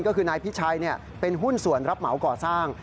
ก็คือนายพิชัยเป็นหุ้นส่วนรับเหมาก่อสร้าง